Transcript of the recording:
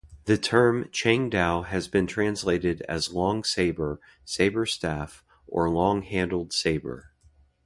The term "changdao" has been translated as "long saber," "saber-staff," or "long-handled saber.